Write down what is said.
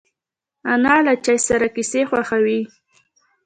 انا له چای سره کیسې خوښوي